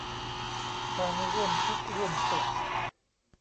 การร่วมทุกข์ร่วมสุข